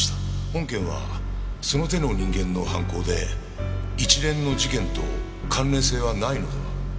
本件はその手の人間の犯行で一連の事件と関連性はないのでは？